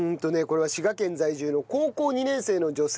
これは滋賀県在住の高校２年生の女性です。